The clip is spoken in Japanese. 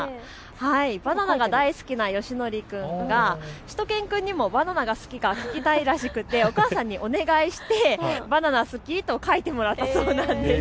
バナナが大好きなよしのり君がしゅと犬くんにもバナナが好きか聞きたいらしくてお母さんにお願いして、バナナ好き？と書いてもらったそうなんです。